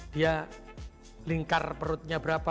dia lingkar perutnya berapa